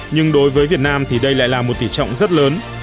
nhưng đối với việt nam thì đây lại là một tỷ trọng rất lớn